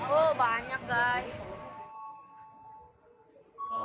oh banyak guys